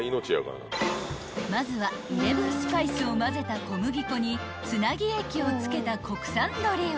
［まずはイレブンスパイスをまぜた小麦粉につなぎ液をつけた国産鶏を］